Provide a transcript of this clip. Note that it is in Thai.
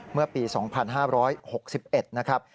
เมื่อปี๒๕๖๑นะครับ